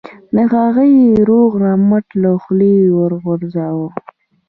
و هغه یې روغ رمټ له خولې وغورځاوه.